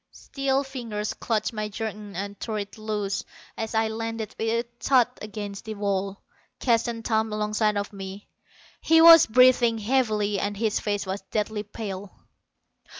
Steel fingers clutched my jerkin and tore it loose as I landed with a thud against the wall. Keston thumped alongside of me. He was breathing heavily and his face was deathly pale.